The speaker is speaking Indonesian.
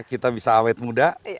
kita bisa awet muda